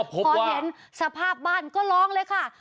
พอเห็นสภาพบ้านก็ร้องเลยค่ะ